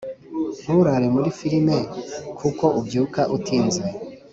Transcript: Nturare muri firime kuko ubyuka utinze